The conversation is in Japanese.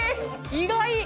意外！